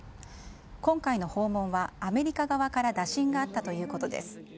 今回の訪問はアメリカ側から打診があったということです。